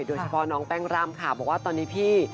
โดยเฉพาะน้องแป้งร่ำค่ะบอกว่าตอนนี้พี่